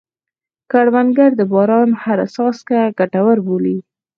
کروندګر د باران هره څاڅکه ګټوره بولي